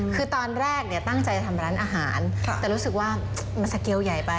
คือตอนแรกตั้งใจจะทำร้านอาหารแต่รู้สึกว่ามันสเกลใหญ่ไป